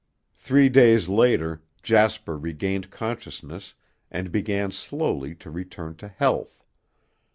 Three days later Jasper regained consciousness and began slowly to return to health.